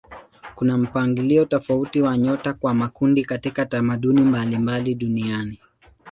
Kuna mpangilio tofauti wa nyota kwa makundi katika tamaduni mbalimbali duniani.